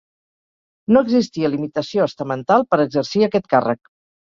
No existia limitació estamental per exercir aquest càrrec.